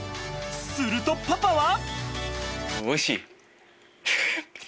するとパパは。